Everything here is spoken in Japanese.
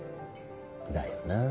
だよな。